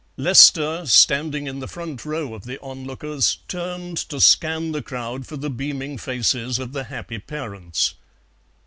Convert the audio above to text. Lester, standing in the front row of the onlookers, turned to scan the crowd for the beaming faces of the happy parents.